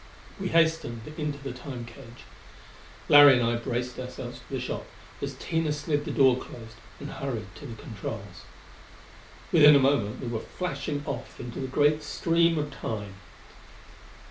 We hastened into the Time cage. Larry and I braced ourselves for the shock as Tina slid the door closed and hurried to the controls. Within a moment we were flashing off into the great stream of Time....